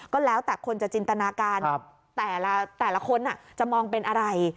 ก็แล้วแต่คนจะจินตนาการแต่ละคนจะมองเป็นอะไร